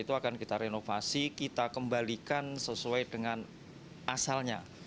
itu akan kita renovasi kita kembalikan sesuai dengan asalnya